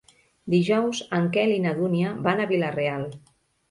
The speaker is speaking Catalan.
Dijous en Quel i na Dúnia van a Vila-real.